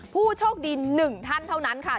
ผู้โชคดี๑ท่านเท่านั้นค่ะ